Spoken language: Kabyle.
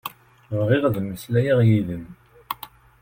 Bɣiɣ ad mmeslayeɣ yid-m.